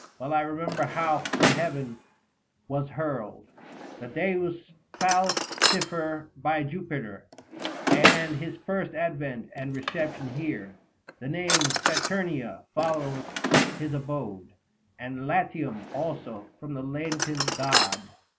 Well I remember how from heaven was hurl'd The Deus Falcifer by Jupiter, 250 And his first advent and reception here. The name Saturnia followed his abode, And Latium also, from the latent god.